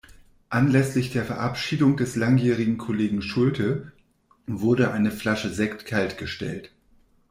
Anlässlich der Verabschiedung des langjährigen Kollegen Schulte, wurde eine Flasche Sekt kaltgestellt.